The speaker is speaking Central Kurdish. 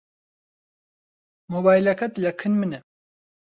مۆبایلەکەت لەکن منە.